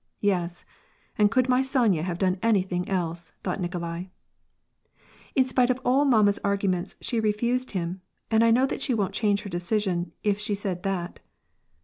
" Yes, and could my Sonya have done anything else !" thought Nikolai. *' In spite of all mamma's arguments, she refused him, and I know that she won't change her decision if she said that."